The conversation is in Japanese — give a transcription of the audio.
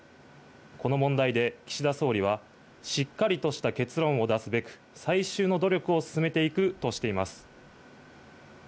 この問題で、岸田総理はしっかりとした結論を出すべく最終の努力を進めていくとしています。